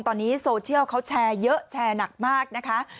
ตอนนี้โซเชียลเขาแชร์เยอะแชร์หนักมากนะคะ